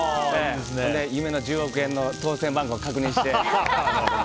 夢の１０億円の当せん番号を確認して。